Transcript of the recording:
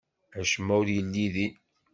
Acemma ur yelli din.